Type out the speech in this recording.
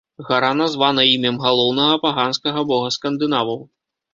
Гара названа імем галоўнага паганскага бога скандынаваў.